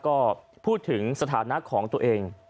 ก็พูดถึงสถานะของตัวเอง